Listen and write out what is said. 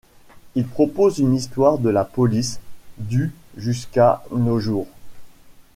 Il propose une histoire de la police, du jusqu'à nos jours.